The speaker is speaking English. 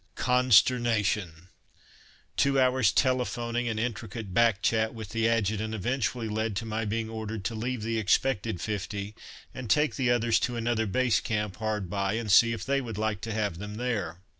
Consternation! Two hours' telephoning and intricate back chat with the Adjutant eventually led to my being ordered to leave the expected fifty and take the others to another Base Camp hard by, and see if they would like to have them there.